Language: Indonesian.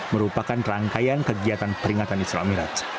merupakan rangkaian kegiatan peringatan islamiraj